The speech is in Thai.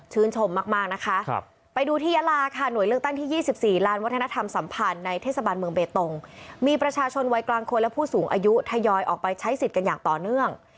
มากนะคะไปดูที่ยาลาค่ะหน่วยเลือกตั้งที่๒๔ลานวัฒนธรรมสัมพันธ์ในเทศบาลเมืองเบตงมีประชาชนวัยกลางคนและผู้สูงอายุทยอยออกไปใช้สิทธิ์กันอย่างต่อเนื่อง